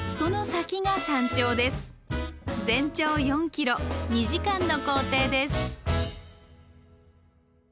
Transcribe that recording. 全長４ｋｍ２時間の行程です。